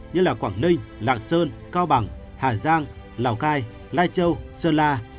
như là quảng ninh lạng sơn cao bằng hà giang lào cai lai châu sơn la